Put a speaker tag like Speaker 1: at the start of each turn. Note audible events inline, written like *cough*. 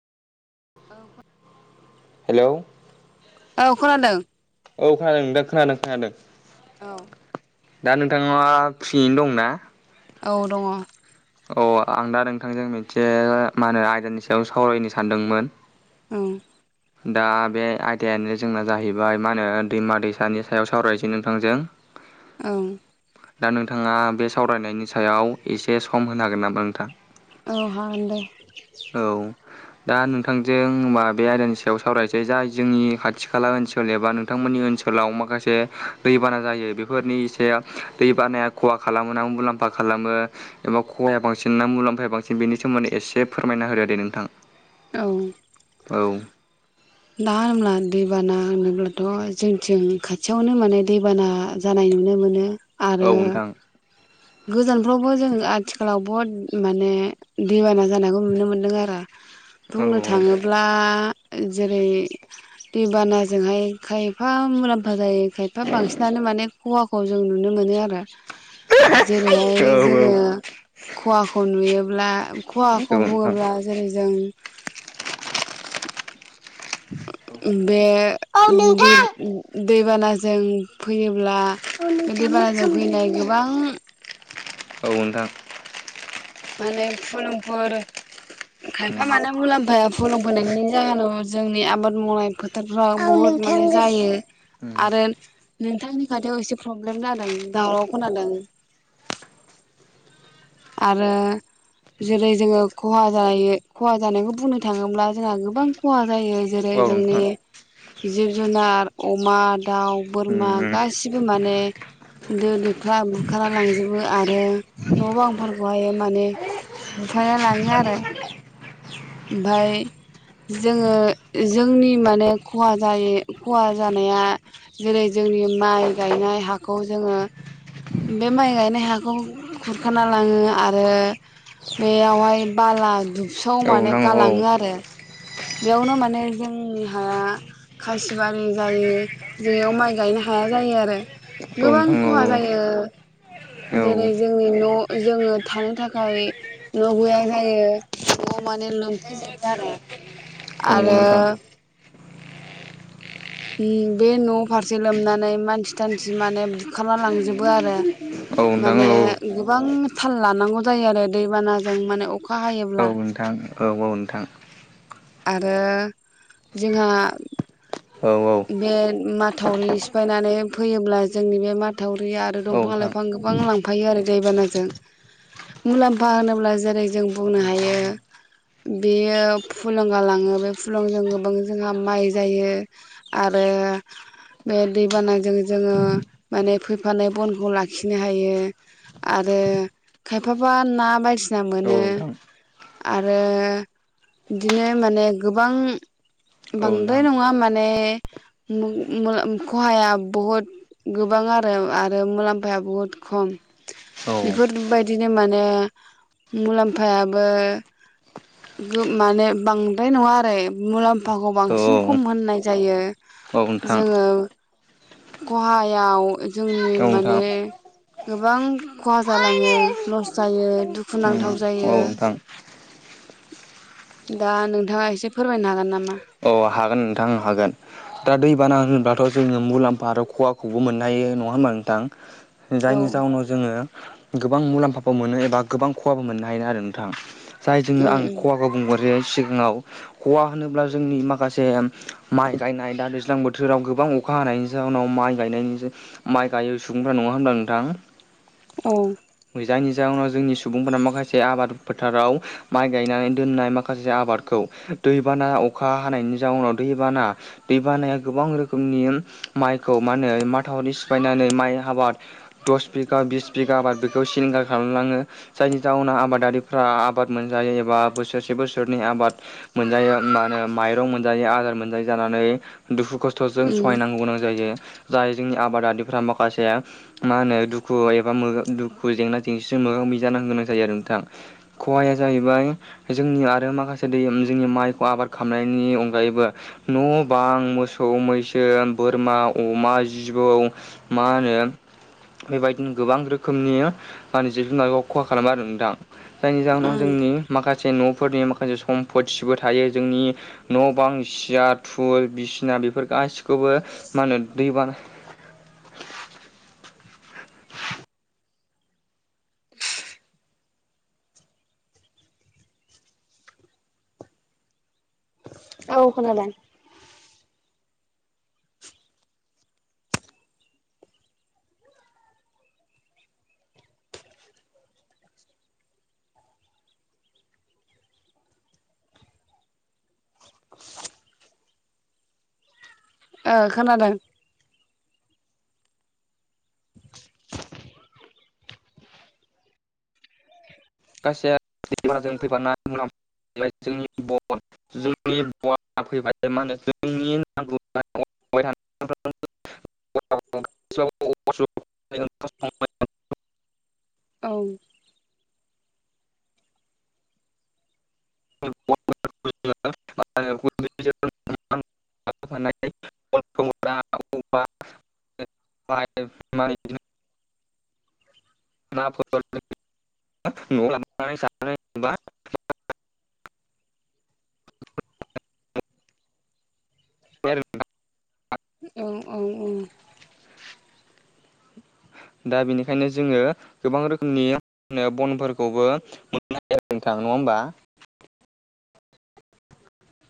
Speaker 1: औ खो
Speaker 2: हेलौ औ
Speaker 1: औ खोनादों।
Speaker 2: औ खोनादों दे खोनादों खोनादों।
Speaker 1: औ।
Speaker 2: दा नोंथांङा फ्रियैनो दंना?
Speaker 1: औ दंङ‌।
Speaker 2: अ आं दा नोंथांजों मोनसे माहोनो आयदानि सायाव सावरायनो सानदोंमोन।
Speaker 1: उम्म।
Speaker 2: दा बे आयदायानो जोंना जाहैबाय मा होनो दैमा दैसानि सायाव सावरायसै नोंथांजों।
Speaker 1: ओं।
Speaker 2: दा नोंथांङा बे सावरायनायनि सायाव एसे सम होनो हागोन नामा नोंथां?
Speaker 1: औ हागोन दे।
Speaker 2: औ दा नोंथांजों माबे आयदानि सा याव सावरासै जाय जोंनि खाथि खाला ओनसोल एबा नोंथांमोननि ओनसोलाव माखासे दैबाना जायो बेफोरनि इसे दैबानाया खहा खालामोना मुलाम्फा खालामो? एबा खहाया बांसिन ना मुलाम्फाया बांसिन बेनि सोमोन्दै एसे फोरमायना होदो दे नोंथां।
Speaker 1: औ।
Speaker 2: औ।
Speaker 1: दा होनब्ला दैबाना होनोब्लाथ' जोंथिं खाथियावनो माने दैबाना जानाय नुनो मोनो।
Speaker 2: औ
Speaker 1: आरो
Speaker 2: नोंथां।
Speaker 1: गोजानफ्रावबो जों आथिखालाव बुहुद माने दैबाना जानायखौ नुनो मोन्दों आरो बुंनो
Speaker 2: औ
Speaker 1: थाङो ब्ला जेरै दैबानाजोंहाय खायफा मुलाम्फा जायो खायफा बांसिनानो माने खहाखौ जों नुनो मोनो आरो। जेरैहाय
Speaker 2: औ
Speaker 1: जोङो
Speaker 2: औ
Speaker 1: खहाखौ नुयोब्ला
Speaker 2: औ
Speaker 1: खहाखौ बुङोब्ला जेरै जों
Speaker 2: *unintelligible*
Speaker 1: बे
Speaker 2: औ नोंथां औ
Speaker 1: दै
Speaker 2: नोंथां
Speaker 1: ब दैबानाजों फैयोब्ला
Speaker 2: औ
Speaker 1: बे
Speaker 2: नोंथाङा मा
Speaker 1: दैबानाजों
Speaker 2: खालामदों
Speaker 1: फैनाय
Speaker 2: होनलाय
Speaker 1: गोबां
Speaker 2: औ नोंथां।
Speaker 1: माने फुलुंफोर खायफा
Speaker 2: उम
Speaker 1: मानो मुलाम्फाया फुलुं फैनायनि जाहोनाव जोंनि आबाद मावनाय फोथ *unintelligible*
Speaker 2: औ
Speaker 1: बुहुद
Speaker 2: नोंथां उम औ नोंथां
Speaker 1: माने
Speaker 2: उम
Speaker 1: जायो। आरो नोंथांनि खाथियाव एसे प्रब्लेम जादों दावराव खोनादों। आरो जेरै जोङो खहा जायो खहा जानायखौ बुंनो थाङोब्ला जोंहा गोबां खहा जायो जेरै जोंनि जिब जुनार अमा, दाउ, बोरमा गासिब बो माने दो दोख्ला बुरखार लांजोबो आरो न' बां फरगहायो माने बुफायना लाङो आरो ओमफाय जोङो जोंनि माने खहा जायो खहा जानाया जेरै जोंनि माइ गायनाय हाखौ जोङो बे माइ गायनाय हाखौ खुरखा ना लाङो आरो बेयावहाय बाला दुुबसाव
Speaker 2: औ
Speaker 1: माने
Speaker 2: नोंथां औ
Speaker 1: गालाङो आरो बेयावनो माने जोंनि हाया खासिबारि जायो बेयाव माइ गायनो हाया जायो आरो
Speaker 2: औ
Speaker 1: गोबां
Speaker 2: नोंथां
Speaker 1: खहा जायो
Speaker 2: औ
Speaker 1: जेरै जो जोंनि न' जोंङो थानो थाखाय न' गैया जायो न'आव माने लोमफैजोबो आरो
Speaker 2: औ
Speaker 1: आरो
Speaker 2: नंगौ
Speaker 1: उम बे न' फारसे लोमनानै मानसि थानसि माने बुखारना लांजोबो आरो माने
Speaker 2: नोंथां
Speaker 1: गोबां थाल लानांगौ जायो आरो दैबानाजों माने अखा हायोब्ला।
Speaker 2: नोंथां औ औ नोंथां।
Speaker 1: आरो जोंहा
Speaker 2: औ औ।
Speaker 1: बे माथावरि सिफायनानै फैयोब्ला जोंनि बे माथावरि आरो दंफां
Speaker 2: नोंथां
Speaker 1: लाइफ फां गोबां लांफायो आरो दैबानाजों। मुलाम्फा होनोब्ला जेरै जों बुंनो हायो बेयो फुलुं गालाङो बे फुलुंजों गोबां जोंहा माइ जायो। आरो बे दैबानाजों जोङो माने फैफानाय बनखौ लाखिनो हायो। आरो खायफाबा ना बायदिसिना
Speaker 2: औ
Speaker 1: मोनो।
Speaker 2: नोंथां
Speaker 1: आरो इदिनो माने गोबां
Speaker 2: औ नोंथां औ
Speaker 1: बांद्राय
Speaker 2: नोंथां
Speaker 1: नङा माने मु ओ ख'हाया बहुत गोबां आरो आरो मुलाम्फाया बुहुद खम।
Speaker 2: औ
Speaker 1: बेफोरबायदिनो माने मुलाम्फायाबो गो माने बांद्राय नङा आरो मुलाम्फाखौ
Speaker 2: औ
Speaker 1: बांसिन खम होननाय जायो
Speaker 2: औ नोंथां
Speaker 1: जोङो ख'हायाव जोंनि
Speaker 2: औ नोंथां
Speaker 1: माने गोबां खहा जालाङो लस जायो दुखुनांथाव
Speaker 2: औ
Speaker 1: जायो।
Speaker 2: नोंथां
Speaker 1: दा नोंथाङा एसे फोरमायनो हागोन नामा?
Speaker 2: औ हागोन नोंथां हागोन। दा दैबाना होनोबाथ' जोङो मुलाम्फा आरो खहाखौबो मोननो हायो नङा होमबा नोंथां।
Speaker 1: औ
Speaker 2: जायनि जाउनाव जोङो गोबां मुलाम्फाबो मोनो एबा गोबां खहाबो मोननो हायो आरो नोंथां जाय जोङो
Speaker 1: उम
Speaker 2: आं खहाखौ बुंगोरसै सिगाङाव खहा होनोब्ला जोंनि मा खासे माइ गायनाय दा दैज्लां बोथोराव गोबां अखा हानायनि जाउनाव माइ गायनायनि माइ गायो सुबुंफ्रा नङा होनबा नोंथां?
Speaker 1: औ
Speaker 2: जायनि जाहोनाव जोंनि सुबुंफोरा माखासे आबाद फोथाराव माइ गायनानै दोननाय माखासे आबादखौ दैबाना अखा हानायनि जाउनाव दैबाना दैबानाया गोबां रोखोमनि माइखौ माहोनो माथावरि सिफायनानै माइ हाबाद दस बिगा, बिस बिगा आबाद बेखौ सिलिंगार खालामलाङो जायनि जाहोनाव आबादारिफ्रा आबाद मोनजायो एबा बोसोरसे बोसोरनै आबाद मोनजायो मानो माइरं मोनजायो आदार मोनजायै जानानै दुखु खस्थ'जों
Speaker 1: उम
Speaker 2: सहायनांगौ गोनां जायो जाय जोंनि आबादारिफ्रा माखासे मा होनो दुखु एबा मो दुखु जेंना-जेंसिजों मोगा-मोगि जानो गोनां जायो आरो नोंथां खहाया जाहैबाय जोंनि आरो माखासे दै उम जोंनि माइखौ आबाद खामनायनि अनगायैबो न' बां मोसौ, मैसो, बोरमा, अमा, जिबौ मा होनो बेबायदिनो गोबां रोखोमनि माने जिब-जुनारखौ खहा खालामो आरो नोंथां। जायनि जाहोनाव जोंनि माखासे न'फोरनि माखासे सम्पथिबो थायो जोंनि न' बां सियार थुल बिसिना बेफोर गासिखौबो मा होनो दैबाना
Speaker 1: औ खोनादों ओ खोनादों
Speaker 2: *unintelligible* जोंनि फैबाय मा होनो जोंनि नांगौ *unintelligible* *unintelligible*
Speaker 1: औ
Speaker 2: *unintelligible* *unintelligible* *unintelligible* *unintelligible* नआव लाबोनानै नुबाय *unintelligible*
Speaker 1: औ-औ-औ
Speaker 2: दा बेनिखायनो जोङो गोबां रोखोमनि ओ बनफोरखौबो मोननो *unintelligible* नोंथां नङा होनबा